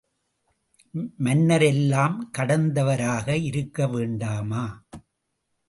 மன்னர் எல்லாம் கடந்தவராக இருக்க வேண்டாமா?